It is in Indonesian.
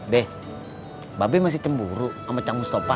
be bapak masih cemburu sama cang mustafa